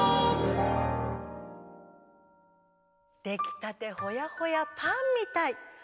できたてほやほやパンみたい。